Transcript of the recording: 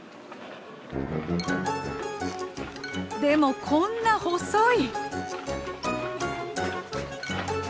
でもこんな細い！